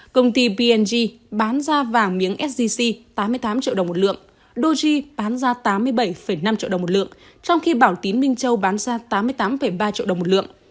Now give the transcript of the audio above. công ty png bán ra vàng miếng sgc tám mươi tám triệu đồng một lượng doji bán ra tám mươi bảy năm triệu đồng một lượng trong khi bảo tín minh châu bán ra tám mươi tám ba triệu đồng một lượng